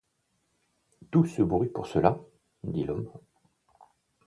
Tout ce bruit pour cela ! dit l’homme.